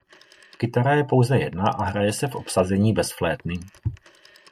Kytara je pouze jedna a hraje se v obsazení bez flétny.